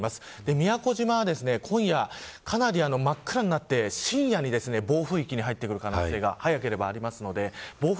宮古島は、今夜かなり真っ暗になって、深夜に暴風域に入ってくる可能性が早ければあります。